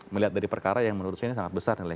melihat dari perkara yang menurut saya sangat besar nilai